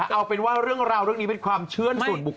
เอาเป็นว่าเรื่องราวเรื่องนี้เป็นความเชื่อส่วนบุคค